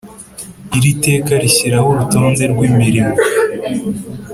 Iri teka rishyiraho urutonde rw imirimo